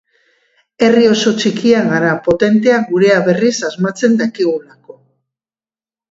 Herri oso txikia gara, potentea gurea berriz asmatzen dakigulako.